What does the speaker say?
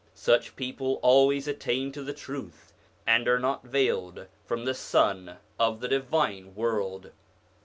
Such people always attain to the truth, and are not veiled from the Sun of the Divine World.